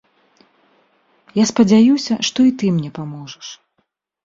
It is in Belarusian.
Я спадзяюся, што і ты мне паможаш.